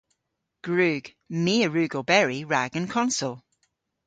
Gwrug. My a wrug oberi rag an konsel.